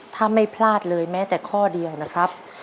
ถ้าไม่พลาดเลยแม้แต่ข้อเดียวนะครับ